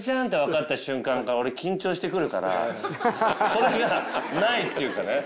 それがないっていうかね。